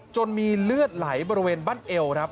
จนมีเลือดไหลบริเวณบั้นเอวครับ